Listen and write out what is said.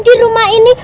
di rumah ini